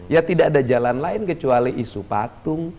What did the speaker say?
ya tidak ada jalan lain kecuali isu patung